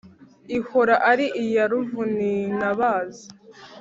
Ihora ari iya Ruvunintabaza